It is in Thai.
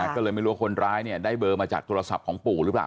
ก็เลยไม่รู้ว่าคนร้ายได้เบอร์มาจากโทรศัพท์ของปู่หรือเปล่า